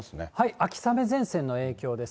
秋雨前線の影響です。